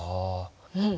うん！